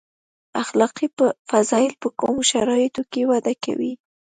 اخلاقي فضایل په کومو شرایطو کې وده کوي.